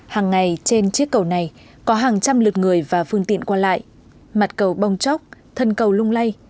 hằng ngày trên chiếc cầu này có hàng trăm lượt người và phương tiện qua lại mặt cầu bông tróc thân cầu lung lay